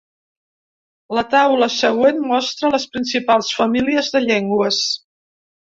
La taula següent mostra les principals famílies de llengües.